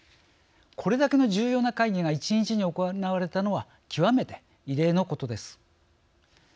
これだけの重要な会議が１日に行われたのは極めて異例のことです。